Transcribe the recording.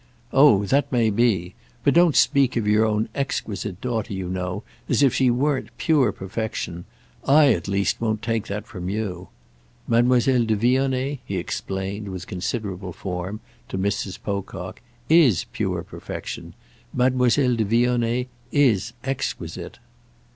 "Oh that may be! But don't speak of your own exquisite daughter, you know, as if she weren't pure perfection. I at least won't take that from you. Mademoiselle de Vionnet," he explained, in considerable form, to Mrs. Pocock, "is pure perfection. Mademoiselle de Vionnet is exquisite."